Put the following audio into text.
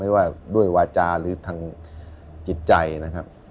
ว่าด้วยวาจาหรือทางจิตใจนะครับ